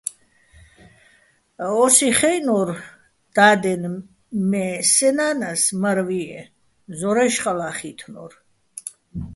ო́სი ხეჸნო́რ და́დენ, მე́ სე ნა́ნას მარ ვიეჼ, ზორაჲში̆ ხალაჼ ხი́თნორ.